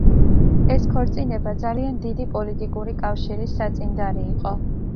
ეს ქორწინება ძალიან დიდი პოლიტიკური კავშირის საწინდარი იყო.